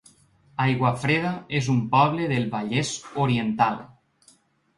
Aiguafreda es un poble del Vallès Oriental